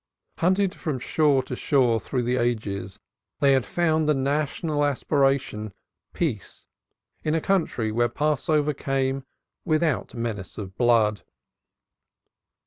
Hunted from shore to shore through the ages, they had found the national aspiration Peace in a country where Passover came, without menace of blood.